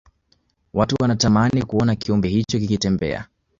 watu wanatamani kuona kiumbe hicho kikitembea